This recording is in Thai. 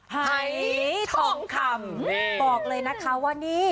หายทองคำบอกเลยนะคะว่านี่